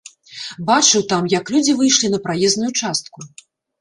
Бачыў там, як людзі выйшлі на праезную частку.